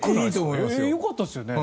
良かったですよね？